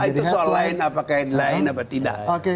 itu soal lain apakah lain atau tidak